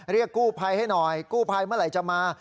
เรียกกู้ภัยให้หน่อยกู้ภัยเมื่อไหร่จะมา